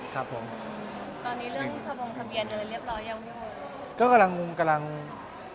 ตอนนี้เรื่องทะพงทะเบียนอะไรเรียบร้อยยังอยู่